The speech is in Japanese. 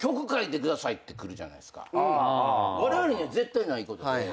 われわれには絶対ないことで。